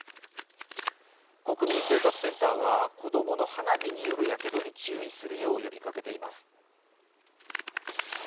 国民生活センターは子供の花火によるやけどに注意するよう呼びかけています。